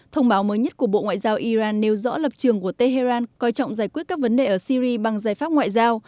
thông báo mới nhất của bộ ngoại giao iran nêu rõ lập trường của tehran coi trọng giải quyết các vấn đề ở syri bằng giải pháp ngoại giao